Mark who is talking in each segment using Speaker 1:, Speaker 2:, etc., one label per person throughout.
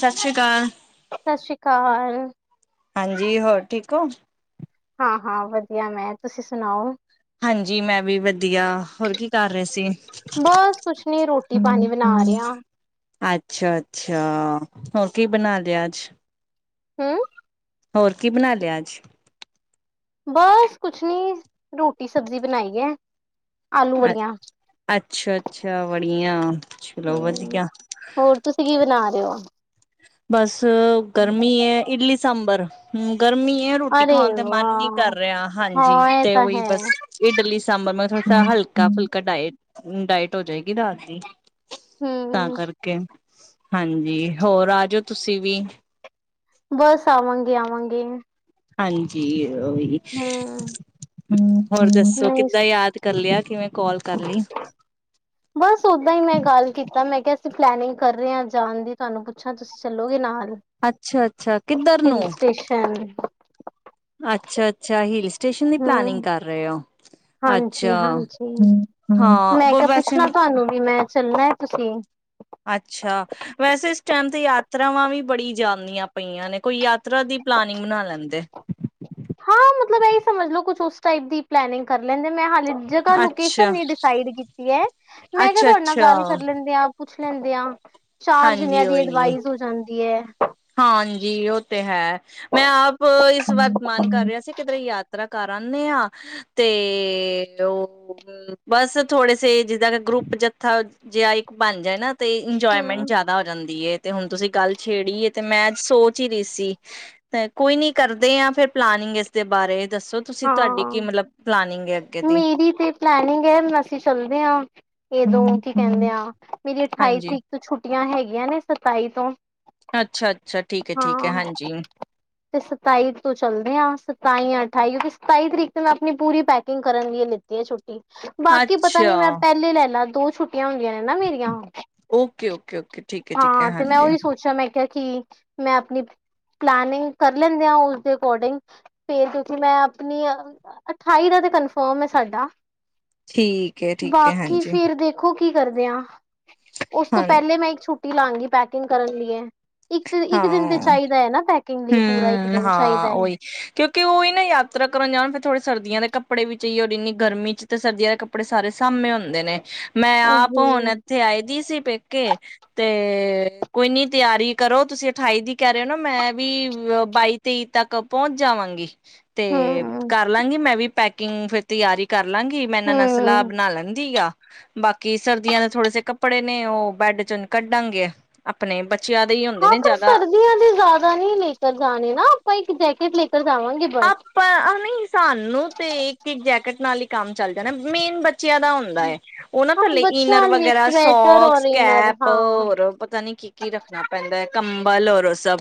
Speaker 1: ਸਸ੍ਰੀ ਕਾਲ।
Speaker 2: ਸਸ਼੍ਰੀ ਕਾਲ।
Speaker 1: ਹਾਂਜੀ ਹੋਰ ਠੀਕ ਓ।
Speaker 2: ਹਾਂ-ਹਾਂ ਵਧੀਆ ਮੈਂ ਤੁਸੀਂ ਸੁਣਾਓ?
Speaker 1: ਹਾਂਜੀ ਮੈਂ ਵੀ ਵਧੀਆ ਹੋਰ ਕੀ ਕਰ ਰਹੇ ਸੀ।
Speaker 2: ਬੱਸ ਕੁਛ ਨੀ ਰੋਟੀ ਪਾਣੀ ਬਣਾ ਰੇ ਆ
Speaker 1: ਅੱਛਾ-ਅੱਛਾ ਹੋਰ ਕੀ ਬਣਾ ਲਿਆ ਅੱਜ
Speaker 2: ਹਮ
Speaker 1: ਹੋਰ ਕੀ ਬਣਾ ਲਿਆ ਅੱਜ?
Speaker 2: ਬੱਸ ਕੁਛ ਨੀ, ਰੋਟੀ-ਸਬਜ਼ੀ ਬਣਾਈ ਏ, ਆਲੂ-ਬੜੀਆਂ।
Speaker 1: ਅੱਛਾ-ਅੱਛਾ, ਬੜੀਆਂ।
Speaker 2: ਹਮ ਹੋਰ ਤੁਸੀਂ ਕੀ ਬਣਾ ਰਹੇ ਓ?
Speaker 1: ਬੱਸ ਗਰਮੀ ਏ, ਇਡਲੀ-ਸਾਂਬਰ। ਹਮ, ਗਰਮੀ ਰੋਟੀ
Speaker 2: ਅਰੇ
Speaker 1: ਖਾਣ ਤੇ ਮਨ ਨਹੀਂ
Speaker 2: ਵਾਹ
Speaker 1: ਕਰ ਰਿਹਾ। ਹਾਂਜੀ
Speaker 2: ਹਾਂ ਇਹ
Speaker 1: ਤੇ
Speaker 2: ਤਾਂ
Speaker 1: ਉਹੀ
Speaker 2: ਹੈ
Speaker 1: ਬੱਸ। ਇਡਲੀ-ਸਾਂਬਰ, ਮੈਂ ਥੋੜਾ
Speaker 2: ਹੂੰ
Speaker 1: ਹਲਕਾ-ਫੁਲਕਾ ਡਾਏਟ। ਡਾਇਟ ਹੋ ਜਾਏਗੀ [unintelligible] ਤਾਂ ਕਰਕੇ। ਹਾਂਜੀ ਹੋਰ ਆ ਜਾਓ ਤੁਸੀਂ ਵੀ?
Speaker 2: ਬੱਸ ਆਵਾਂਗੇ-ਆਵਾਂਗੇ।
Speaker 1: ਹਾਂਜੀ, ਉਹੀ।
Speaker 2: ਹਮ, ਹਮ-ਹਮ ਨਹੀਂ।
Speaker 1: ਕੱਲਿਆ ਕਿਵੇਂ ਕਾਲ ਕਰ ਲੀ।
Speaker 2: ਬੱਸ ਓਦਾਂ ਹੀ ਮੈਂ ਗੱਲ ਕੀਤਾ। ਮੈਂ ਕਿਹਾ ਅਸੀਂ ਪਲੈਨਿੰਗ ਕਰ ਰਹੇ ਹਾਂ ਜਾਣ ਦੀ। ਤੁਹਾਨੂੰ ਪੁੱਛਾਂ ਤੁਸੀਂ? ਚੱਲੋ ਗੇ ਨਾਲ।
Speaker 1: ਅੱਛਾ-ਅੱਛਾ, ਕਿੱਧਰ
Speaker 2: ਹਿਲ
Speaker 1: ਨੂੰ
Speaker 2: ਸਟੇਸ਼ਨ
Speaker 1: ਅੱਛਾ-ਅੱਛਾ, ਹਿਲ ਸਟੇਸ਼ਨ ਦੀ ਪਲਾਨਿੰਗ ਕਰ ਰਹੇ ਹੋ? ਅੱਛਾ
Speaker 2: ਹਾਂਜੀ-ਹਾਂਜੀ, ਮੈਂ
Speaker 1: ਹਾਂ
Speaker 2: ਕਿਹਾ
Speaker 1: ਵੈਸੇ
Speaker 2: ਪੁੱਛਣਾ ਤੁਹਾਨੂੰ ਵੀ ਮੈਂ ਚੱਲਣਾ ਐ ਤੁਸੀਂ?
Speaker 1: ਅੱਛਾ। ਵੈਸੇ ਇਸ ਟਾਈਮ ਤੇ ਯਾਤਰਾਵਾਂ ਵੀ ਬੜੀ ਜਾਂਦੀਆਂ ਪਈਆਂ ਨੇ। ਕੋਈ ਯਾਤਰਾ ਦੀ ਪਲਾਨਿੰਗ ਬਣਾ ਲੈਂਦੇ।
Speaker 2: ਹਾਂ, ਮਤਲਬ ਇਹੀ ਸਮਝ ਲਓ ਕੁਛ ਉਸ ਟਾਈਪ ਦੀ ਪਲੈਨਿੰਗ ਕਰ ਲੈਂਦੇ ਮੈਂ ਜਗ੍ਹਾ ਲੋਕੇਸ਼ਨ
Speaker 1: ਅੱਛਾ
Speaker 2: ਨੀ ਡਿਸਾਈਡ ਕੀਤੀ ਐ। ਮੈਂ ਕਿਹਾ
Speaker 1: ਅੱਛਾ
Speaker 2: ਤੁਹਾਡੇ ਨਾਲ
Speaker 1: ਅੱਛਾ
Speaker 2: ਗੱਲ ਕਰ ਲੈਂਦੇ ਆ। ਪੁੱਛ ਲੈਂਦੇ ਆ, ਚਾਰ ਜਣਿਆਂ
Speaker 1: ਹਾਂਜੀ
Speaker 2: ਦੀ
Speaker 1: ਉਹੀ
Speaker 2: ਅਡਵਾਈਸ ਹੋ ਜਾਂਦੀ ਐ।
Speaker 1: ਹਾਂਜੀ ਉਹ ਤੇ ਹੈ, ਮੈਂ ਆਪ ਇਸ ਵਰਤ ਮਨ ਕਰ ਰਿਹਾ ਸੀ। ਕਿੱਧਰੇ ਯਾਤਰਾ ਕਰ ਆਨੇ, ਆ ਤੇ [unintelligible] ਬਸ ਥੋੜੇ ਸੇ ਜਿੱਦਾਂ ਕਿ ਗਰੁੱਪ ਜੱਥਾ ਜੇਹਾ ਇੱਕ ਬਣ ਜਾਏ ਨਾ ਤੇ ਇੰਜੋਏਮੈਂਟ
Speaker 2: ਹਮ
Speaker 1: ਜਿਆਦਾ ਹੋ ਜਾਂਦੀ ਏ, ਤੇ ਹੁਣ ਤੁਸੀਂ ਗੱਲ ਛੇੜੀ ਏ ਤੇ ਮੈਂ ਅੱਜ ਸੋਚ ਹੀ ਰਹੀ ਸੀ, ਤੇ ਕੋਈ ਨੀ ਕਰਦੇ ਆ। ਫਿਰ ਪਲਾਨਿੰਗ ਇਸਦੇ ਬਾਰੇ ਦੱਸੋ? ਤੁਸੀਂ ਤੁਹਾਡੀ ਕੀ
Speaker 2: ਹਾਂ
Speaker 1: ਮਤਲਬ ਪਲਾਨਿੰਗ ਅੱਗੇ ਦੀ।
Speaker 2: ਮੇਰੀ ਤੇ ਪਲੈਨਿੰਗ ਏ, ਅਸੀਂ ਚੱਲਦੇ ਹਾਂ ਇਹ ਦੋ ਕੀ ਕਹਿੰਦੇ ਆ ਮੇਰੀ ਅਠਾਈ
Speaker 1: ਹਾਂਜੀ
Speaker 2: ਤਰੀਕ ਛੁੱਟੀਆਂ ਹੈਗੀਆਂ ਨੇ, ਸਤਾਈ ਤੋਂ।
Speaker 1: ਅੱਛਾ- ਅੱਛਾ, ਠੀਕ ਹੈ -ਠੀਕ ਹੈ,
Speaker 2: ਹਾਂ
Speaker 1: ਹਾਂਜੀ।
Speaker 2: ਤੇ ਸਤਾਈ ਤੋਂ ਚੱਲਦੇ ਆ ਸਤਾਈ ਅ ਅਠਾਈ ਕਿਉਂਕਿ ਸਤਾਈ ਤਰੀਕ ਤੇ ਮੈਂ ਆਪਣੀ ਪੂਰੀ ਪੈਕਿੰਗ ਕਰਨ ਲਈ ਲਿੱਤੀ ਹੈ ਛੁੱਟੀ। ਬਾਕੀ ਪਤਾ
Speaker 1: ਅੱਛਾ
Speaker 2: ਨੀ ਮੈਂ ਪਹਿਲੇ ਲੈ ਲਾ ਦੋ ਛੁੱਟੀਆਂ ਹੁੰਦੀਆਂ ਨੇ ਨਾ ਮੇਰੀਆਂ ਹੁਣ।
Speaker 1: Okay -okay- okay. ਠੀਕ ਹੈ ਠੀਕ ਹੈ
Speaker 2: ਹਾਂ ਤੇ ਮੈਂ
Speaker 1: ਹਾਂਜੀ
Speaker 2: ਉਹੀ ਸੋਚਿਆ ਮੈਂ ਕਿਹਾ ਕਿ ਮੈਂ ਆਪਣੀ ਪਲੇਨਿੰਗ ਕਰ ਲੈਂਦੇ ਆ ਉਸਦੇ ਅਕੋਰਡਿੰਗ। ਫਿਰ ਤੁਸੀਂ ਮੈਂ ਆਪਣੀ ਅ ਅਠਾਈ ਦਾ ਤੇ ਕਨਫਰਮ ਏ ਸਾਡਾ,
Speaker 1: ਠੀਕ ਹੈ ਠੀਕ ਹੈ
Speaker 2: ਬਾਕੀ
Speaker 1: ਹਾਂਜੀ
Speaker 2: ਫਰ ਦੇਖ ਦੇਖੋ ਕੀ ਕਰਦੇ ਆ, ਉਸ ਤੋਂ
Speaker 1: ਹਾਂ
Speaker 2: ਪਹਿਲੇ ਮੈਂ ਇੱਕ ਛੁੱਟੀ ਲਾਾਂਗੀ ਪੈਕਿੰਗ ਕਰਨ ਲਈਏ। ਇੱਕ ਤੇ ਇੱਕ ਦਿਨ ਤੇ
Speaker 1: ਹਾਂ
Speaker 2: ਚਾਹੀਦਾ ਹੈ ਨਾ ਪੈਕਿੰਗ ਲਈ ਪੂਰਾ ਇੱਕ
Speaker 1: ਹਮ
Speaker 2: ਦਿਨ
Speaker 1: ਹਾਂ
Speaker 2: ਚਾਹੀਦਾ ਹੈ।
Speaker 1: ਉਹੀ ਕਿਉਂਕਿ ਉਹੀ ਨਾ ਯਾਤਰਾ ਕਰਨ ਜਾਣ ਫਿਰ ਥੋੜੇ ਸਰਦੀਆਂ ਕੱਪੜੇ ਵੀ ਚਾਹੀਏ। ਉਹ ਇਨੀ ਗਰਮੀ ਚ ਤੇ ਸਰਦੀਆਂ ਦੇ ਕੱਪ ਕੱਪੜੇ ਸਾਰੇ ਸਾਮੇ ਹੁੰਦੇ ਨੇ ਮੈਂ ਆਪ
Speaker 2: ਉਹੀ
Speaker 1: ਹੁਣ ਇੱਥੇ ਆਈ ਦੀ ਸੀ ਪੇਕੇ ਤੇ, ਕੋਈ ਨੀ ਤਿਆਰੀ ਕਰੋ ਤੁਸੀਂ ਅਠਾਈ ਦੀ ਕਹਿ ਰਹੇ ਹੋ ਨਾ ਮੈਂ ਵੀ ਬਾਈ- ਤੇਈ ਤੱਕ ਪਹੁੰਚ ਜਾਵਾਂਗੀ। ਤੇ,
Speaker 2: ਹਮ
Speaker 1: ਕਰ ਲਾਂਗੀ ਮੈਂ ਵੀ ਪੈਕਿੰਗ ਫਿਰ ਤਿਆਰੀ ਕਰ ਲਾਂਗੀ ਮੈਂ ਇਹਨਾਂ ਨਾਲ ਸਲਾਹ
Speaker 2: ਹਮ
Speaker 1: ਬਣਾ ਲੈਂਦੀ ਆ। ਬਾਕੀ ਸਰਦੀਆਂ ਦੇ ਥੋੜੇ ਸੇ ਕੱਪੜੇ ਨੇ ਉਹ ਬੈਡ ਚੋਂ ਹੁਣ ਕੱਢਾਂਗੇ, ਆਪਣੇ ਬੱਚਿਆਂ ਦੇ ਹੀ ਹੁੰਦੇ
Speaker 2: ਹਾਂ
Speaker 1: ਨੇ
Speaker 2: ਪਰ
Speaker 1: ਜ਼ਿਆਦਾ
Speaker 2: ਸਰਦੀਆਂ ਦੇ ਜ਼ਿਆਦਾ ਨਹੀਂ ਲੈ ਕਰ ਜਾਣੇ ਨਾ ਆਪਾਂ ਇੱਕ ਜੈਕਟ ਲੈ ਕਰ ਜਾਵਾਂਗੇ ਬਸ।
Speaker 1: ਪਰ ਹਨ ਸਾਨੂੰ ਤੇ ਇੱਕ -ਇੱਕ ਜੈਕਟ ਨਾਲ ਹੀ ਕੰਮ ਚੱਲ ਜਾਣਾ ਮੇਨ ਬੱਚਿਆਂ ਦਾ ਹੁੰਦਾ ਹੁੰਦਾ ਏ, ਉਹਨਾ
Speaker 2: ਹਾਂ
Speaker 1: ਥੱਲੇ ਇਨਰ
Speaker 2: ਬੱਚਿਆਂ ਲਈ
Speaker 1: ਵਗੈਰਾ
Speaker 2: ਸਵੈਟਰ ਔਰ
Speaker 1: ਸੋਕਸ,
Speaker 2: ਇਨਰ
Speaker 1: ਕੈਪ
Speaker 2: ਹਾਂ
Speaker 1: ਹੋਰ ਪਤਾ ਨੀ ਕੀ ਕੀ ਰੱਖਣਾ ਪੈਂਦਾ ਏ, ਕੰਬਲ ਔਰ ਉਹ ਸਭ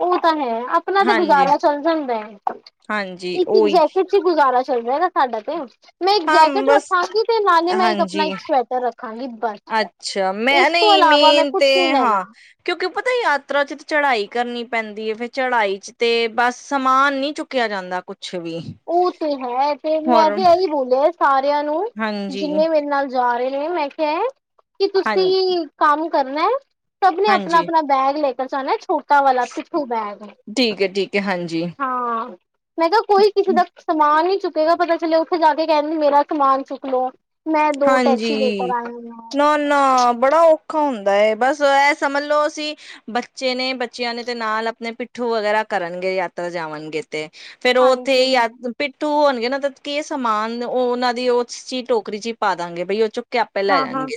Speaker 2: ਉਹ ਤਾਂ ਹੈ ਆਪਣਾ ਤੇ ਗੁਜ਼ਾਰਾ ਚੱਲ ਜਾਂਦਾ ਏ,
Speaker 1: ਹਾਂਜੀ-ਹਾਂਜੀ
Speaker 2: ਇੱਕ-ਇੱਕ
Speaker 1: ਉਹੀ
Speaker 2: ਜੈਕਟ ਗੁਜ਼ਾਰਾ ਚੱਲ ਜਾਏਗਾ ਸਾਡਾ ਤੇ ਇੱਕ
Speaker 1: ਹਾਂ
Speaker 2: ਜੈਕਟ
Speaker 1: ਬਸ
Speaker 2: ਰੱਖਾਂਗੀ ਤੇ ਨਾਲੇ ਮੈਂ ਇੱਕ ਆਪਣਾ
Speaker 1: ਹਾਂਜੀ
Speaker 2: ਇੱਕ ਸਵੈਟਰ ਰੱਖ ਰੱਖਾਂਗੀ ਬਸ।
Speaker 1: ਅੱਛਾ ਮੈਂ
Speaker 2: ਇਸ ਤੋਂ
Speaker 1: ਨਹੀਂ
Speaker 2: ਇਲਾਵਾ ਮੈਂ
Speaker 1: ਮੇਨ ਤੇ
Speaker 2: ਕੁਛ ਨੀ
Speaker 1: ਹਾਂ।
Speaker 2: ਲੈਣਾ
Speaker 1: ਕਿਉਂਕਿ ਪਤਾ ਯਾਤਰਾ 'ਚ ਤੇ ਚੜ੍ਹਾਈ ਕਰਨੀ ਪੈਂਦੀ ਏ। ਫਿਰ ਚੜ੍ਹਾਈ 'ਚ ਤੇ ਬਸ ਸਮਾਨ ਨੀ ਚੁੱਕਿਆ ਜਾਂਦਾ। ਕੁਛ ਵੀ।
Speaker 2: ਉਹ ਤੇ ਹੈ ਤੇ
Speaker 1: ਹੋਰ
Speaker 2: ਮੈਂ ਤੇ ਇਹੀ ਬੋਲਿਆ ਸਾਰਿਆਂ ਨੂੰ
Speaker 1: ਹਾਂਜੀ
Speaker 2: ਜਿੰਨੇ ਮੇਰੇ ਨਾਲ ਜਾ ਰਹੇ ਨੇ ਮੈਂ ਕਿਹਾ ਕਿ
Speaker 1: ਹਾਂ
Speaker 2: ਤੁਸੀਂ ਕੰਮ ਕਰਨਾ ਸਭ ਨੇ
Speaker 1: ਹਾਂਜੀ
Speaker 2: ਆਪਣਾ-ਆਪਣਾ ਬੈਗ ਲੈ ਕੇ ਜਾਣਾ ਛੋਟਾ ਵਾਲਾ ਪਿਠੂ ਬੈਗ
Speaker 1: ਠੀਕ ਹੈ ਠੀਕ ਹੈ ਹਾਂਜੀ
Speaker 2: ਹਾਂ। ਮੈਂ ਕਿਹਾ ਕੋਈ ਕਿਸੇ ਦਾ ਸਮਾਨ ਨੀ ਚੁੱਕੇਗਾ ਪਤਾ ਚੱਲੇ। ਉੱਥੇ ਜਾ ਕੇ ਕਹਿਣ ਮੇਰਾ ਸਮਾਨ ਚੁੱਕ ਲਿਆ। ਮੈਂ ਦੋ ਟੈਕਸੀ ਲੇਕਰ ਆਈ ਹੂੰ ਮੈਮ।
Speaker 1: ਨਾ ਬੜਾ ਔਖਾ ਹੁੰਦਾ ਏ। ਬਸ ਇਹ ਸਮਝ ਲਓ ਅਸੀਂ ਬੱਚੇ ਨੇ ਬੱਚਿਆਂ ਨੇ ਤੇ ਨਾਲ ਆਪਣੇ ਪਿੱਠੂ ਵਗੈਰਾ ਕਰਨਗੇ ਯਾਤਰਾ ਜਾਵਣਗੇ। ਤੇ ਫੇਰ ਉਹ ਉੱਥੇ
Speaker 2: ਹਾਂਜੀ
Speaker 1: ਹੀ ਪਿੱਠੂ ਹੋਣਗੇ ਨਾ ਦਾ ਕੀ ਸਮਾਨ ਉਹ ਉਹਨਾਂ ਦੀ ਉਸ 'ਚ ਈ ਟੋਕਰੀ ਚ ਹੀ ਪਾ ਦਾਂਗੇ ਬਈ ਉਹ ਚੋਂ। ਕਿ ਆਪੇ ਲੈ
Speaker 2: ਹਾਂ ਹਾਂ
Speaker 1: ਜਾਣਗੇ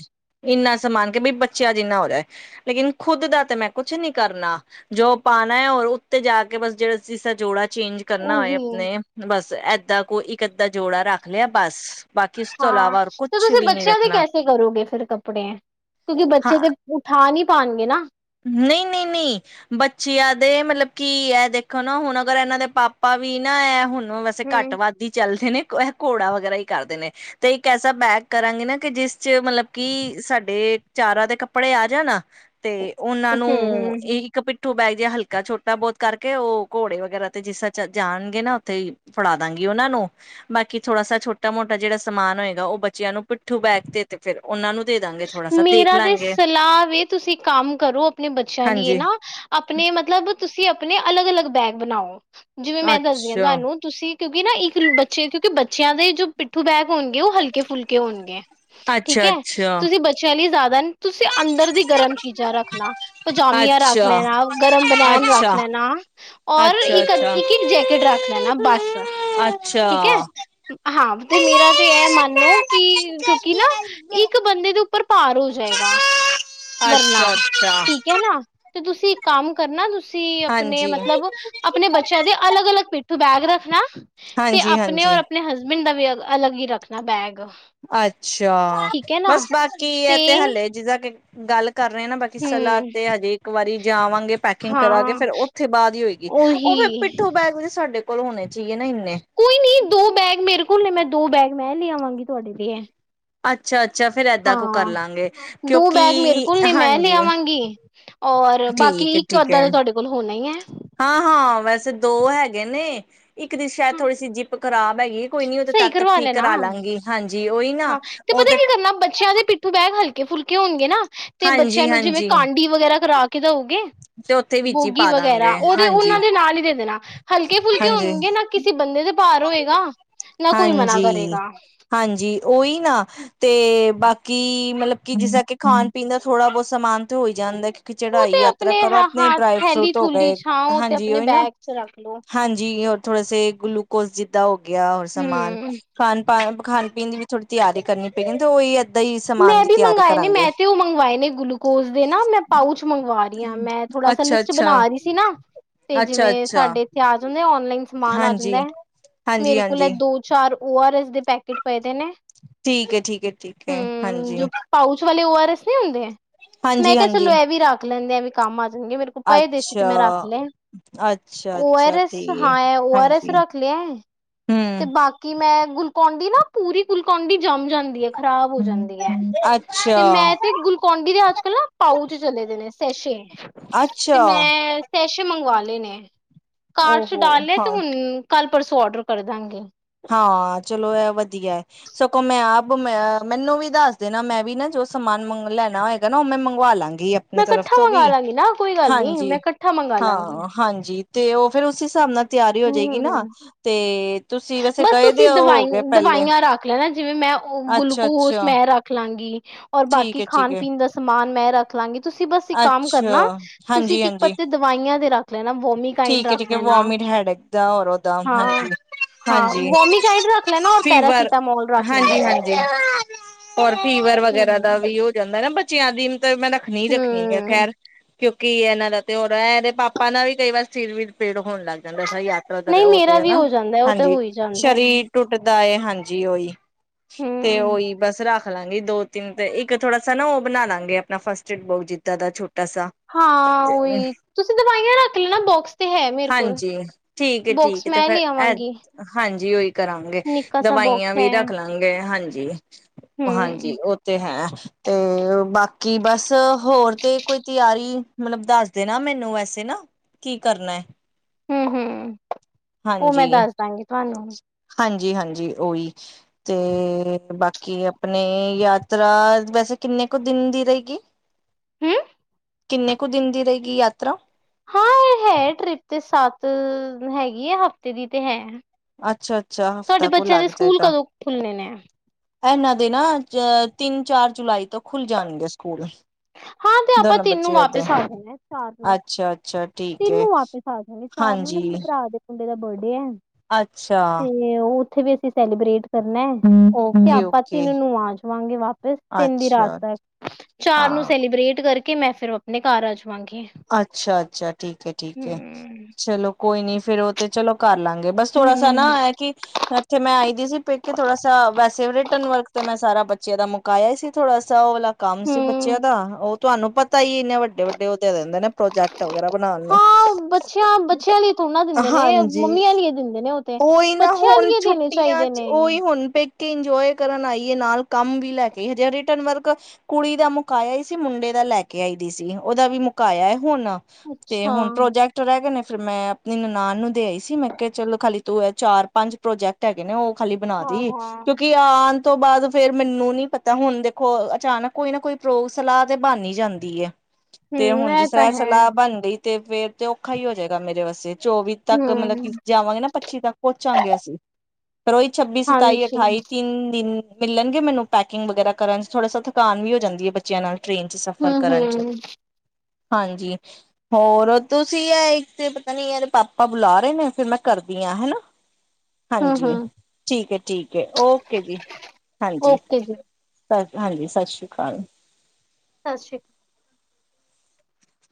Speaker 1: ਇੰਨਾ ਸਮਾਨ ਕੇ ਬਈ ਬੱਚਿਆ ਜਿੰਨਾ ਹੋ ਜਾਏ। ਲੇਕਿਨ ਖੁਦ ਦਾ ਤੇ ਮੈਂ ਕੁਛ ਨੀ ਕਰਨਾ। ਜੋ ਪਾਉਣਾ ਏ ਔਰ ਉੱਤੇ ਜਾ ਕੇ ਬਸ ਜਿਹੜਾ ਸੀ ਜੋੜਾ ਚੇਂਜ ਕਰਨਾ ਹੋਏ
Speaker 2: ਉਹੀ
Speaker 1: ਆਪਣੇ, ਬੱਸ ਏਦਾਂ ਕੋ ਇੱਕ ਏਧਾਂ ਜੋੜਾ ਰੱਖ ਲਿਆ ਬੱਸ। ਬਾਕੀ ਇਸ ਤੋਂ
Speaker 2: ਹਾਂ
Speaker 1: ਇਲਾਵਾ ਔਰ
Speaker 2: ਤੇ ਤੁਸੀਂ ਬੱਚਿਆਂ ਦੇ ਕੈਸੇ ਕਰੋਗੇ ਫਿਰ ਕੱਪੜੇ, ਕਿਉਂਕਿ ਬੱਚੇ ਤੇ ਉਠਾ ਨੀ ਪਾਣਗੇ ਨਾ।
Speaker 1: ਨਹੀਂ-ਨਹੀਂ-ਨਹੀਂ। ਬੱਚਿਆਂ ਦੇ ਮਤਲਬ ਕੀ ਐ ਦੇਖੋ ਨਾ ਹੁਣ ਅਗਰ ਇਹਨਾਂ ਦੇ ਪਾਪਾ ਵੀ ਨਾ ਐ ਹੁਣ ਸੇ
Speaker 2: ਹਮ
Speaker 1: ਘੱਟ-ਵੱਧ ਹੀ ਚੱਲਦੇ ਨੇ, ਇਹ ਘੋੜਾ ਵਗੈਰਾ ਕਰਦੇ ਨੇ। ਤੇ ਇੱਕ ਐਸਾ ਬੈਗ ਕਰਾਂਗੇ ਨਾ ਕਿ ਜਿਸ 'ਚ' ਮਤਲਬ ਕਿ ਸਾਡੇ ਚਾਰਾ ਦੇ ਕੱਪੜੇ ਆ ਜਾਣ। ਤੇ ਉਹਨਾਂ ਨੂੰ
Speaker 2: ਹਮ
Speaker 1: ਇਹੀ ਇੱਕ ਪਿੱਠੂ ਬੈਗ ਜਿਹਾ ਹਲਕਾ ਛੋਟਾ ਬਹੁਤ ਕਰਕੇ। ਉਹ ਘੋੜੇ ਵਗੈਰਾ ਤੇ ਜਿਸ ਤਰ੍ਹਾਂ ਜਾਣਗੇ ਨਾ ਉੱਥੇ ਹੀ ਫੜਾ ਦਾਂਗੀ ਉਹਨਾਂ ਨੂੰ। ਬਾਕੀ ਥੋੜਾ ਸਾ ਛੋਟਾ ਮੋਟਾ ਜਿਹੜਾ ਸਮਾਨ ਹੋਏਗਾ। ਉਹ ਬੱਚਿਆਂ ਨੂੰ ਪਿੱਠੂ ਬੈਗ ਤੇ ਤੇ ਫਿਰ ਉਹਨਾਂ ਨੂੰ ਦੇ ਦਾਂਗੇ ਥੋੜਾ ਸਾ ਦੇਖ ਲਾ ਗੇ।
Speaker 2: ਲ ਵੇ ਤੁਸੀਂ ਕੰਮ ਕਰੋ ਆਪਣੇ ਬੱਚਿਆਂ ਲਈ ਐ
Speaker 1: ਹਾਂਜੀ
Speaker 2: ਨਾ। ਆਪਣੇ ਮਤਲਬ ਤੁਸੀਂ ਆਪਣੇ ਅਲੱਗ-ਅਲੱਗ ਬੈਗ ਬਣਾਓ। ਜਿਵੇਂ ਮੈਂ ਦੱਸਦੀ ਹਾਂ
Speaker 1: ਅੱਛਾ
Speaker 2: ਤੁਹਾਨੂੰ ਤੁਸੀਂ ਕਿਉਂਕਿ ਨਾ ਇੱਕ ਬੱਚੇ ਕਿਉਂਕਿ ਬੱਚਿਆਂ ਦੇ ਜੋ ਪਿੱਠੂ ਬੈਗ ਹੋਣਗੇ, ਉਹ ਹਲਕੇ-ਫੁਲਕੇ ਹੋਣਗੇ, ਠੀਕ ਐ
Speaker 1: ਅੱਛਾ-ਅੱਛਾ।
Speaker 2: ਬੱਚਿਆਂ ਲਈ ਜ਼ਿਆਦਾ ਤੁਸੀਂ ਅੰਦਰ ਦੀ ਗਰਮ ਚੀਜ਼ਾਂ ਰੱਖਣਾ। ਪਜਾਮੀਆਂ ਰੱਖ
Speaker 1: ਅੱਛਾ,
Speaker 2: ਲੈਣਾ, ਗਰਮ
Speaker 1: ਅੱਛਾ,
Speaker 2: ਬਨੈਨ
Speaker 1: ਅੱਛਾ,
Speaker 2: ਰੱਖ ਲੈਣਾ। ਔਰ ਇੱਕ,
Speaker 1: ਅੱਛਾ।
Speaker 2: ਇੱਕ-ਇੱਕ ਜੈਕੇਟ ਰੱਖ ਲੈਣਾ ਬੱਸ।
Speaker 1: ਅੱਛਾ।
Speaker 2: ਹਾਂ ਤੇ ਮੇਰਾ ਤੇ ਇਹ ਮੰਨੋ ਕਿ ਕਿਉਂਕਿ ਨਾ ਇੱਕ ਬੰਦੇ ਦੇ ਉੱਪਰ ਭਾਰ ਹੋ ਜਾਏਗਾ, ਵਰਨਾ,
Speaker 1: ਅੱਛਾ-ਅੱਛਾ।
Speaker 2: ਠੀਕ ਐ ਨਾ, ਤੇ ਤੁਸੀਂ ਕੰਮ ਕਰਨਾ ਤੁਸੀਂ ਆਪਣੇ
Speaker 1: ਹਾਂਜੀ।
Speaker 2: ਮਤਲਬ ਆਪਣੇ ਬੱਚਿਆਂ ਦੇ ਅਲੱਗ-ਅਲੱਗ ਪਿੱਠੂ ਬੈਗ ਰੱਖਣਾ। ਤੇ ਆਪਣੇ
Speaker 1: ਹਾਂਜੀ-ਹਾਂਜੀ।
Speaker 2: ਔਰ ਆਪਣੇ ਹਸਬੈਂਡ ਦਾ ਵੀ ਅਲੱਗ ਹੀ ਰੱਖਣਾ ਬੈਗ।
Speaker 1: ਅੱਛਾ,
Speaker 2: ਠੀਕ ਹੈ ਨਾ
Speaker 1: ਬੱਸ ਬਾਕੀ ਐ ਤੇ ਹਲੇ ਜਿੱਦਾਂ ਕਿ ਗੱਲ ਕਰ ਰਹੇ ਨਾ ਬਾਕੀ। ਕੀ ਸਲਾਹ
Speaker 2: ਹੂੰ
Speaker 1: ਤੇ ਹਜੇ ਇੱਕ ਵਾਰੀ ਜਾਵਾਂਗੇ ਪੈਕਿੰਗ ਕਰਾਗੇ
Speaker 2: ਹਾਂ
Speaker 1: ਫਿਰ ਉੱਥੇ ਬਾਅਦ ਹੀ ਹੋਏਗੀ। ਉਹ
Speaker 2: ਉਹੀ
Speaker 1: ਫਿਰ ਪਿੱਠੂ ਬੈਗ ਵੀ ਸਾਡੇ ਕੋਲ ਹੋਣੇ ਚਾਹੀਏ ਨਾ ਇੰਨੇ
Speaker 2: ਕੋਈ ਨੀ ਦੋ ਬੈਗ ਮੇਰੇ ਕੋਲ ਮੈਂ ਦੋ ਮੈਂ ਲੈ ਆਵਾਂਗੀ ਤੁਹਾਡੇ ਲੀਏ
Speaker 1: ਅੱਛਾ-ਅੱਛਾ ਫਿਰ
Speaker 2: ਹਾਂ, ਦੋ ਬੈਗ ਮੇਰੇ ਕੋਲ ਨੇ ਮੈਂ
Speaker 1: ਹਾਂਜੀ
Speaker 2: ਲਿਆਵਾਂਗੀ। ਔਰ
Speaker 1: ਠੀਕ
Speaker 2: ਬਾਕੀ
Speaker 1: ਹੈ-ਠੀਕ
Speaker 2: ਇੱਕ-ਅੱਧਾਂ
Speaker 1: ਹੈ
Speaker 2: ਤਾਂ ਤੁਹਾਡੇ ਕੋਲ ਹੋਣਾ ਹੀ ਐਂ।
Speaker 1: ਹਾਂ-ਹਾਂ ਵੈਸੇ ਦੋ ਹੈਗੇ ਨੇ, ਇੱਕ ਦੀ ਸ਼ਾਇਦ ਥੋੜੀ ਸੀ ਜਿ ਪ ਖਰਾਬ ਹੈਗੀ ਕੋਈ ਨੀ ਉਹ ਤਾਂ
Speaker 2: ਸਹੀ
Speaker 1: ਤਦ ਤੱਕ
Speaker 2: ਕਰਵਾ
Speaker 1: ਠੀਕ ਕਰਾ
Speaker 2: ਲੈਣਾ
Speaker 1: ਲਾਂਗੀ ਹਾਂਜੀ ਉਹੀ ਨਾ
Speaker 2: ਹਾਂ ਤੇ
Speaker 1: ਉਹ
Speaker 2: ਪਤਾ ਕੀ ਕਰਨਾ ਬੱਚਿਆਂ ਦੇ ਪਿੱਠੂ ਬੈਗ ਹਲਕੇ-ਫੁਲਕੇ ਹੋਣਗੇ ਨਾ। ਤੇ ਬੱਚਿਆਂ ਨੂੰ ਜਿਵੇਂ
Speaker 1: ਹਾਂਜੀ-ਹਾਂਜੀ
Speaker 2: ਕਾਂਡੀ ਵਗੈਰਾ ਕਰਾ ਕੇ ਦਿਓਗੇ।
Speaker 1: ਤੇ ਉੱਥੇ ਵਿੱਚ ਹੀ
Speaker 2: ਬੋਗੀ
Speaker 1: ਪਾ
Speaker 2: ਵਗੈਰਾ
Speaker 1: ਦਾਂਗੇ
Speaker 2: ਉਹਦੇ ਉਹਨਾਂ ਦੇ
Speaker 1: ਹਾਂਜੀ-ਹਾਂਜੀ
Speaker 2: ਨਾਲ ਹੀ ਦੇ ਦੇਣਾ ਹਲਕੇ-ਫੁਲਕੇ ਹੋਣਗੇ ਨਾ ਕਿਸ ਕੀ ਬੰਦੇ ਦੇ ਭਾਰ ਹੋਏਗਾ। ਨਾ ਕੋਈ ਮਨਾ ਕਰੇਗਾ
Speaker 1: ਹਾਂਜੀ-ਹਾਂਜੀ, ਉਹੀ ਨਾ, ਤੇ ਬਾਕੀ ਮਤਲਬ ਕੀ ਜਿਸ
Speaker 2: ਹਮ
Speaker 1: ਤਰ੍ਹਾਂ ਕਿ
Speaker 2: ਹਮ
Speaker 1: ਖਾਣ-ਪੀਣ ਦਾ ਥੋੜਾ ਬਹੁਤ ਸਮਾਨ ਤੇ ਹੋ ਹੀ ਜਾਂਦਾ। ਕਿ
Speaker 2: ਉਹ
Speaker 1: ਚੜਾਈ
Speaker 2: ਤੇ
Speaker 1: ਯਾਤਰਾ ਕਰੋ,
Speaker 2: ਹਾਂ
Speaker 1: ਆਪਣੇ
Speaker 2: ਹਾਂ
Speaker 1: ਡਰਾਈ
Speaker 2: ਥੈਲੀ
Speaker 1: ਫਰੂਟ ਹੋ
Speaker 2: ਥੂਲੀ
Speaker 1: ਗਏ
Speaker 2: ਚ ਹਾਂ ਉਹ ਤੇ
Speaker 1: ਹਾਂਜੀ
Speaker 2: ਆਪਣੇ
Speaker 1: ਉਹੀ ਨਾ
Speaker 2: ਬੈਗ
Speaker 1: [inaudible]
Speaker 2: ਚ ਰੱਖ ਲੋ
Speaker 1: ਹਾਂਜੀ ਹੋਰ ਥੋੜਾ ਸ ਗੁਲੂਕੋਜ਼ ਜਿੱਦਾਂ ਹੋ ਗਿਆ ਹੋਰ ਸਮਾਨ
Speaker 2: ਹਮ
Speaker 1: ਖਾਣ-ਪਾਣ, ਖਾਣ-ਪੀਣ ਦੀ ਥੋੜੀ ਤਿਆਰੀ ਕਰਨੀ [unintelligible] ਉਹੀ ਆ
Speaker 2: ਮੈਂ ਵੀ ਮੰਗਵਾਏ ਨੇ ਮੈਂ ਤੇ ਉਹ ਮੰਗਵਾਏ ਨੇ ਗੁਲੂਕੋਜ਼ ਦੇ ਨਾ ਮੈਂ ਪਾਊਚ ਮੰਗਵਾ ਰਹੀ ਆ ਮੈਂ ਥੋੜਾ ਸਾ
Speaker 1: ਅੱਛਾ
Speaker 2: ਲਿਸਟ ਬਣਾ
Speaker 1: ਅੱਛਾ
Speaker 2: ਰੀ ਸੀ ਨਾ ਤੇ
Speaker 1: ਅੱਛਾ
Speaker 2: ਜਿਵੇਂ
Speaker 1: ਅੱਛਾ
Speaker 2: ਸਾਡੇ ਇੱਥੇ ਆ ਜਾਂਦੇ ਓਨਲਾਈਨ ਸਮਾਨ ਆ
Speaker 1: ਹਾਂਜੀ
Speaker 2: ਜਾਂਦਾ ਐ,
Speaker 1: ਹਾਂਜੀ
Speaker 2: ਮੇਰੇ ਕੋਲ
Speaker 1: ਹਾਂਜੀ
Speaker 2: ਦੋ ਰ ਓ ਆਰ ਐਸ ਦੇ ਪੈਕੇਟ ਪਏਦੇ ਨੇ।
Speaker 1: ਠੀਕ ਐ, ਠੀਕ ਐ, ਠੀਕ ਐ।
Speaker 2: ਹੂੰ ਜੋ ਪਾਊਚ ਵਾਲੇ ਓ ਆਰ ਐਸ ਨੀ ਹੁੰਦੇ, ਮੈਂ
Speaker 1: ਹਾਂਜੀ
Speaker 2: ਕਿਹਾ ਚਲੋ
Speaker 1: ਹਾਂਜੀ
Speaker 2: ਇਹ ਵੀ ਰੱਖ ਲੈਂਦੇ ਆ ਵੀ ਕੰਮ ਆ ਜਾਂਣਗੇ ਮੇਰੇ ਕੋਲ ਪਏ ਦੇਸੇ ਤੇ ਮੈਂ
Speaker 1: ਅੱਛਾ
Speaker 2: ਰੱਖ ਲੈ, ਓ ਆਰ
Speaker 1: ਅੱਛਾ-ਅੱਛਾ
Speaker 2: ਐਸ
Speaker 1: ਠੀਕ
Speaker 2: ਹਾਂ, ਓ ਆਰ ਐਸ
Speaker 1: ਹਾਂਜੀ
Speaker 2: ਰੱਖ ਲਿਆ ਐ। ਤੇ
Speaker 1: ਹੂੰ
Speaker 2: ਬਾਕੀ ਮੈਂ ਗਲੂਕੋਨ-ਡੀ ਨਾ ਪੂਰੀ ਗਲੂਕੋਨ-ਡੀ ਜੰਮ ਜਾਂਦੀ ਐ ਖ਼ਰਾ ਹੋ ਜਾਂਦੀ ਐ,
Speaker 1: ਅੱਛਾ,
Speaker 2: ਤੇ ਮੈਂ ਤੇ ਗੂ ਕੋਨ-ਡੀ ਦੇ ਅੱਜ ਕੱਲ ਨਾ ਪਾਊਚ ਚਲੇ ਦੇ ਨੇ, ਸੈਸ਼ੇ,
Speaker 1: ਅੱਛਾ
Speaker 2: ਤੇ ਮੈਂ ਸੈਸ਼ੇ ਮੰਗਵਾ ਲਏ ਨੇ, ਕਾਰਡ 'ਚ'
Speaker 1: ਓਹੋ
Speaker 2: ਡਾਲ ਲਿਆ ਤੇ
Speaker 1: ਹਾਂ,
Speaker 2: ਹੁਣ ਕੱਲ-ਪਰਸੋਂ ਔਡਰ ਕਰ ਦਾਂਗੇ।
Speaker 1: ਹਾਂ, ਚਲੋ ਐਂ ਵਧੀਆ। ਸਗੋਂ ਮੈਂ ਆਪ ਮੈਨੂੰ ਵੀ ਦੱਸ ਦੇਣਾ ਮੈਂ ਵੀ ਨਾ ਜੋ ਸਮਾਨ ਮੰਗ ਲੈਣਾ ਹੋਏਗਾ ਨਾ ਉਹ ਮੈਂ ਮੰਗਵਾ ਲਾਂਗੀ।
Speaker 2: ਮੈਂ
Speaker 1: ਆਪਣੀ ਤਰਫ਼
Speaker 2: ਇਕੱਠਾ
Speaker 1: ਤੋਂ
Speaker 2: ਮੰਗਵਾ
Speaker 1: ਵੀ,
Speaker 2: ਲਾਂਗੀ ਨਾ ਕੋਈ ਗੱਲ ਨੀ
Speaker 1: ਹਾਂਜੀ,
Speaker 2: ਮੈਂ ਇਕੱਠਾ ਮੰਗਵਾ ਲਾਂਗੀ
Speaker 1: ਹਾਂ। ਹਾਂਜੀ, ਤੇ ਉਹ ਫਿਰ ਉਸ ਹਿਸਾਬ ਨਾਲ ਤਿਆਰੀ ਹੋ ਜਾਏਗੀ ਨਾ, ਤੇ ਤੁਸੀਂ ਵੈਸੇ
Speaker 2: ਬੱਸ
Speaker 1: ਗਏ ਦੇ
Speaker 2: ਤੁਸੀਂ
Speaker 1: ਹੋ ਗਏ ਪਹਿਲੇ
Speaker 2: ਦਵਾਈ-ਦਵਾਈਆਂ ਰੱਖ ਲੈਣਾ ਜਿਵੇਂ ਮੈਂ ਉਹ ਗਲੂਕੋਸ
Speaker 1: ਅੱਛਾ-ਅੱਛਾ
Speaker 2: ਮੈਂ ਰੱਖ ਲਾਂਗੀ। ਔਰ
Speaker 1: ਠੀਕ
Speaker 2: ਬਾਕੀ
Speaker 1: ਐ ਠੀਕ ਐ
Speaker 2: ਖਾਣ-ਪੀਣ ਦਾ ਸਮਾਨ ਮੈਂ ਰੱਖ ਲਾਂਗੀ ਤੁਸੀਂ ਬੱਸ ਇੱਕ ਕੰਮ
Speaker 1: ਅੱਛਾ
Speaker 2: ਕਰਨਾ ਤੁਸੀਂ ਇੱਕ-ਇੱਕ
Speaker 1: ਹਾਂਜੀ-ਹਾਂਜੀ
Speaker 2: ਪੱਤੇ ਦਵਾਈਆਂ ਤੇ ਰੱਖ ਲੈਣਾ ਵੋਮੀਕਾਈਡ ਦਾ
Speaker 1: ਕਿ ਵੋਮੀਟ, ਹੈਡ ਦਾਂ ਹੋਰ ਦਾਮ ਹਾਂਜੀ।
Speaker 2: ਹਾਂ
Speaker 1: ਹਾਂਜੀ,
Speaker 2: ਵੋਮੀਕਾਈਡ ਰੱਖ ਲੈਣਾ ਔਰ
Speaker 1: ਫੀਵਰ
Speaker 2: ਪੈਰਾਸੀਟਾਮੋਲ ਰੱਖ ਲੈਣਾ ਬਸ
Speaker 1: ਹਾਂਜੀ-ਹਾਂਜੀ। ਹੋਰ ਫੀਵਰ ਵਗੈਰਾ ਦਾ
Speaker 2: ਹਮ
Speaker 1: ਵੀ ਹੋ ਜਾਂਦਾ ਨਾ ਬੱਚਿਆਂ ਦੀ ਤਾਂ ਮੈਂ ਰੱਖਣੀ ਹੀ ਰੱਖਣੀ ਹੈ
Speaker 2: ਹਮ
Speaker 1: ਖੈਰ ਕਿਉਂਕਿ ਇਹਨਾਂ ਦਾ ਤੇ ਹੋ ਰਿਹਾ ਇਹਦੇ ਪਾਪਾ ਦਾ ਵੀ ਕਈ ਵਾਰ ਸਿਰ ਵੀਰ ਪੀੜ ਹੋਣ ਲੱਗ ਜਾਂਦਾ ਸਾਰੀ ਰਾਤ
Speaker 2: ਨਹੀਂ
Speaker 1: [unintelligible] ਉਹ
Speaker 2: ਮੇਰਾ
Speaker 1: ਤੇ
Speaker 2: ਵੀ
Speaker 1: ਹਨਾ,
Speaker 2: ਹੋ ਜਾਂਦਾ ਉਹ ਤੇ
Speaker 1: ਹਾਂਜੀ
Speaker 2: ਹੋ ਹੀ ਜਾਂਦਾ ਹੈ
Speaker 1: ਸਰੀਰ ਟੁੱਟਦਾ ਏ, ਹਾਂਜੀ ਉਹੀ [inaudible] ਤੇ
Speaker 2: ਹਮ
Speaker 1: ਉਹੀ ਬੱਸ ਰੱਖ ਲਾਂਗੀ ਦੋ-ਤਿੰਨ ਤੇ ਇੱਕ ਥੋੜਾ ਸ ਨਾ ਉਹ ਬਣਾ ਲਵਾਂਗੇ ਆਪਣਾ ਫਸਟ ਏਡ ਬੋਕ ਜ ਇੱਦਾਂ ਦਾ ਛੋਟਾ ਸਾ
Speaker 2: ਹਾਂ ਉਹੀ, ਤੁਸੀਂ ਦਵਾਈਆਂ ਰੱਖ ਲੈਣਾ ਬੋਕਸ ਤੇ ਹੈ ਮੇਰੇ ਕੋਲ
Speaker 1: ਹਾਂਜੀ ਠੀਕ ਐ, ਠੀਕ
Speaker 2: ਬੋਕਸ
Speaker 1: ਤੇ
Speaker 2: ਮੈਂ
Speaker 1: ਫਿਰ,
Speaker 2: ਲੈ ਆਵਾਂਗੀ
Speaker 1: ਹਾਂਜੀ, ਉਹੀ ਕਰਾਂਗੇ,
Speaker 2: ਨਿੱਕਾ ਸਾ ਬੋਕਸ
Speaker 1: ਦਵਾਈਆਂ
Speaker 2: ਹੈ
Speaker 1: ਵੀ ਰੱਖ ਲਾਂਗੇ‌ ਗ, ਹਾਂਜੀ-ਹਾਂਜੀ
Speaker 2: ਹਮ
Speaker 1: ਉਹ ਤੇ ਹੈ, ਤੇ ਬਾਕੀ ਬੱਸ ਹੋਰ ਤੇ ਕੋਈ ਤਿਆਰੀ ਮਤਲਬ ਦੱਸ ਦੇ ਨਾ ਮੈਨੂੰ ਵੈਸੇ ਨਾ, ਕੀ ਕਰਨਾ।
Speaker 2: ਹਮ-ਹਮ।
Speaker 1: ਹਾਂਜੀ, ਹਾਂਜੀ-ਹਾਂਜੀ, ਉਹੀ। ਤੇ ਬਾਕੀ ਆਪਣੇ ਯਾਤਰਾ ਵੈਸੇ ਕਿੰਨੇ ਕੁ ਦਿਨ ਦੀ ਰਹੇਗੀ।
Speaker 2: [inaudible]
Speaker 1: ਕਿੰਨੇ ਕੁ ਦਿਨ ਦੀ ਰਹੇਗੀ ਯਾਤਰਾ?
Speaker 2: ਹਾਂ ਇਹ ਹੈ, ਟ੍ਰਿਪ ਤੇ ਸੱਤ, ਹੈਗੀ ਐ ਹਫਤੇ ਦੀ ਤੇ ਹੈ।
Speaker 1: ਅੱਛਾ ਅੱਛਾ
Speaker 2: ਤੁਹਾਡੇ
Speaker 1: ਹਫ਼ਤਾ ਕੁ
Speaker 2: ਬੱਚਿਆਂ
Speaker 1: ਲੱਗ
Speaker 2: ਦੇ ਸਕੂਲ
Speaker 1: ਜਾਏਗਾ
Speaker 2: ਕਦੋਂ, ਖੁੱਲਣੇ ਨੇ?
Speaker 1: ਇਹਨਾਂ ਦੇ ਨਾ ਅ ਤਿੰਨ-ਚਾਰ ਤੋਂ ਜੁਲਾਈ ਤੋਂ ਖੁੱਲ ਜਾਣਗੇ ਸਕੂਲ।
Speaker 2: ਹਾਂ ਤੇ ਆਪਾਂ
Speaker 1: ਦੋਨੋ
Speaker 2: ਤਿੰਨ ਨੂੰ
Speaker 1: ਬੱਚਿਆਂ ਦੇ
Speaker 2: ਵਾਪਿਸ ਆ ਜਾਣਾ ਹ ਚਾਰ ਨੂੰ
Speaker 1: ਅੱਛਾ ਅੱਛਾ ਠੀਕ
Speaker 2: ਤਿੰਨ
Speaker 1: ਹੈ
Speaker 2: ਨੂੰ ਵਾਪਿਸ। ਸੀ ਸਾਰ ਨੂੰ ਨਾ
Speaker 1: ਹਾਂਜੀ
Speaker 2: ਮੇਰੇ ਭਰਾ ਦੇ ਕੰਡੇ ਦਾ ਬਰਡੇ ਏ?
Speaker 1: ਅੱਛਾ।
Speaker 2: ਤੇ ਉੱਥੇ ਵੀ ਅਸੀਂ ਸੈਲੀਬ੍ਰੇਟ ਤੇ
Speaker 1: ਓਕੇ
Speaker 2: ਆਪਾਂ
Speaker 1: ਓਕੇ
Speaker 2: ਤਿੰਨ ਨੂੰ ਆ ਜਾਵਾਂਗੇ ਵਾਪਿਸ, ਤਿੰਨ ਦੀ ਰਾਤ
Speaker 1: ਅੱਛਾ
Speaker 2: ਤੱਕ। ਚਾਰ ਨੂੰ
Speaker 1: ਹਾਂ
Speaker 2: ਸੈਲੀਬ੍ਰੇਟ ਕਰਕੇ ਮੈਂ ਫਿਰ ਆਪਣੇ ਘਰ ਆ ਜੂ।
Speaker 1: ਅੱਛਾ-ਅੱਛਾ, ਠੀਕ ਏ ਠੀਕ ਏ,
Speaker 2: ਹੂੰ-ਹੂੰ।
Speaker 1: ਚਲੋ ਕੋਈ ਨੀ ਫਿਰ ਤੇ ਚਲੋ ਕਰ ਲਾਂਗੇ ਬੱਸ ਥੋੜਾ ਸਾ
Speaker 2: ਹੂੰ
Speaker 1: ਨਾ ਐ ਕੀ ਇੱਥੇ ਮੈਂ ਆਈ ਦੀ ਸੀ ਪੇਕੇ ਥੋੜਾ ਸਾ, ਵੈਸੇ ਰਿਟਰਨ ਵਰਕ ਤੇ ਮੈਂ ਸਾਰਾ ਬ ਬੱਚਿਆਂ ਦਾ ਮੁਕਾਇਆ ਹੀ ਸੀ ਥੋੜਾ ਸਾ, ਉਹ ਵਾਲਾ ਕੰਮ ਸੀ
Speaker 2: ਹੂੰ,
Speaker 1: ਬੱਚਿਆਂ ਦਾ, ਉਹ ਤੁਹਾਨੂੰ ਪਤਾ ਹੀ ਇੰਨੇ ਵੱਡੇ-ਵੱਡੇ ਦਿੰਦੇ ਨੇ ਪ੍ਰੋਜੈਕਟ ਵਗੈਰਾ ਬਣਾਉਣ ਨੂੰ,
Speaker 2: ਹਾਂ ਬੱਚਿਆਂ-ਬੱਚਿਆਂ
Speaker 1: ਹਾਂਜੀ।
Speaker 2: ਕੀ ਦਿੰਦੇ ਨੇ ਉਹ ਤੇ
Speaker 1: ਉਹੀ ਨਾ
Speaker 2: ਬੱਚਿਆਂ
Speaker 1: ਹੁਣ
Speaker 2: ਲਈ ਦੇਣੇ
Speaker 1: ਛੁੱਟੀਆਂ
Speaker 2: ਚਾਹੀਦੇ
Speaker 1: 'ਚ'
Speaker 2: ਨੇ
Speaker 1: ਉਹੀ ਹੁਣ ਪੇਕੇ। ਕੇ ਇੰਜੋਏ ਕਰਨ ਆਈਏ ਨਾਲ ਕੰਮ ਵੀ ਲੈ ਕੇ ਹਜੇ ਰਿਟਰਨ ਵਰਕ ਕੁੜੀ ਦਾ ਮੁਕਾਇਆ ਆਈ ਸੀ। ਮੁੰਡੇ ਦਾ ਲੈ ਕੇ ਆਈ ਦੀ ਸੀ, ਉਹਦਾ ਵੀ ਮੁਕਾਇਆ ਹੁਣ। ਤੇ
Speaker 2: ਅੱਛਾ।
Speaker 1: ਹੁਣ ਪ੍ਰੋਜੈਕਟ ਰਹਿ ਗਏ ਨੇ ਫਿਰ ਮੈਂ ਆਪਣੀ ਨਨਾਣ ਨੂੰ ਦੇ ਆਈ ਸੀ। ਮੈਂ ਕਿਹਾ ਚਲੋ ਖਾਲੀ ਤ ਹੈ ਚਾਰ-ਪੰਜ ਪ੍ਰੋਜੈਕਟ ਹੈਗੇ ਨੇ। ਉਹ ਖਾਲੀ ਬਣਾ ਦੀ
Speaker 2: ਹਾਂ-ਹਾਂ।
Speaker 1: ਕਿਉਂਕਿ ਆ ਤੋਂ ਬਾਅਦ ਫੇਰ ਮੈਨੂੰ ਨੀ ਪਤਾ ਹੁਣ ਦੇਖੋ ਅਚਾਨਕ ਕੋਈ ਨਾ ਕੋਈ ਪ੍ਰੋਗ ਸਲਾਹ ਤੇ ਬਣ ਹੀ ਜਾਂਦੀ ਏ।
Speaker 2: ਹੂੰ
Speaker 1: ਤੇ ਹੁਣ ਜੇ
Speaker 2: ਇਹ ਤਾਂ ਹੈ
Speaker 1: ਸੇ-ਸਲਾਹ ਬਣ ਗਈ ਤੇ ਫੇਰ ਤੇ ਔਖਾ ਹੀ ਹੋ ਜਾਏਗਾ। ਮੇਰੇ ਵਾਸਤੇ ਚੌਵੀ ਤੱਕ ਮਤਲਬ
Speaker 2: ਹੂੰ।
Speaker 1: ਕਿ ਜਾਵਾਂਗੇ ਨਾ ਪੱਚੀ ਤੱਕ ਪਹੁੰਚਾਂਗੇ ਅਸੀ। ਫਿਰ ਉਹੀ ਛੱਬੀ, ਸਤਾਈ,
Speaker 2: ਹਾਂਜੀ
Speaker 1: ਅਠਾਈ, ਤਿੰਨ ਦਿਨ। ਮਿਲਣਗੇ। ਮੈਨੂੰ ਪੈਕਿੰਗ ਵਗੈਰਾ ਕਰਨ 'ਚ' ਥੋੜਾ ਸਾ ਥਾਕਣ ਵੀ ਹੋ ਜਾਂਦੀ ਏ, ਬ ਬੱਚਿਆਂ ਨਾਲ ਟ੍ਰੇਨ 'ਚ' ਸਫ਼ਰ ਕਰਨ 'ਚ',
Speaker 2: ਹੂੰ-ਹੂੰ,
Speaker 1: ਹਾਂਜੀ ਹੋਰ, ਤੁਸੀਂ ਇਹ ਇੱਕ ਤੇ ਪਤਾ ਨੀ ਯਾਰ ਪਾਪਾ ਬੁਲਾ ਰਹੇ ਨੇ। ਫਿਰ ਮੈਂ ਕਰਦੀ ਦੀਆਂ ਹਨਾ। ਹਾਂਜੀ,
Speaker 2: ਹੂੰ-ਹੂੰ
Speaker 1: ਠੀਕ ਏ ਠੀਕ ਏ, ਓਕੇ ਜੀ, ਹਾਂਜੀ।
Speaker 2: ਓਕੇ ਜੀ
Speaker 1: ਸ ਹਾਂਜੀ, ਸ਼ਸ਼ੀ ਕਾਲ।
Speaker 2: ਸ਼ਸ਼ੀ